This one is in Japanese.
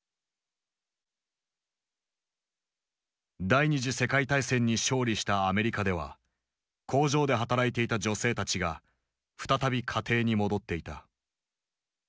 第二次世界大戦に勝利したアメリカでは工場で働いていた女性たちが再び家庭に戻っていた。